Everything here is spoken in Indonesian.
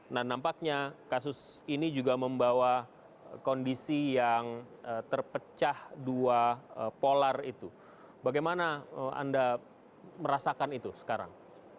nah nampaknya kasus ini juga membawa kondisi yang terpecah dua polar itu bagaimana anda merasakan itu sekarang